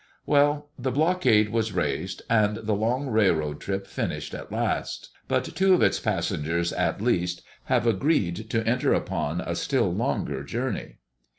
Well, the blockade was raised, and the long railroad trip finished at last. But two of its passengers, at least, have agreed to enter upon a still longer journey.